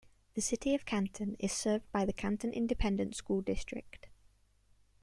The City of Canton is served by the Canton Independent School District.